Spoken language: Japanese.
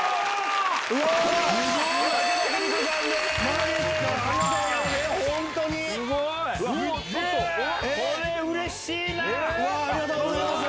すごい！